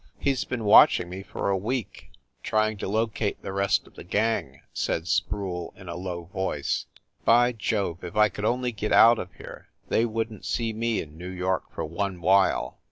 "He s been watching me for a week, trying to lo cate the rest of the gang," said Sproule in a low voice. By Jove, if I could only get out of here they wouldn t see me in New York for one while